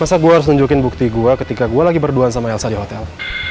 elsa gue harus nunjukin bukti gue ketika gue lagi berduaan sama elsa di hotel